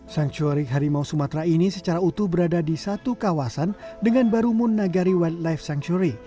sanctuarik harimau sumatera ini secara utuh berada di satu kawasan dengan barumun nagari white life sanctuary